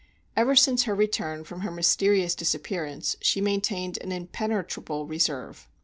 Ever since her return from her mysterious disappearance she maintained an impenetrable reserve.